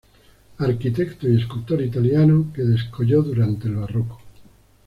Arquitecto y escultor italiano que descolló durante el barroco.